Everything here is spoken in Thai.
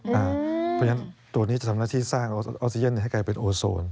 เพราะฉะนั้นตัวนี้จะทำหน้าที่สร้างออกซิเจนให้กลายเป็นโอโซน